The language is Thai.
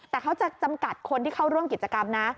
แต่เขาจะจำกัดคนที่เข้าร่วมกิจกรรมนะ